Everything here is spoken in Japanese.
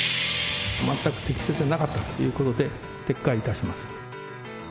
全く適切でなかったということで、撤回いたします。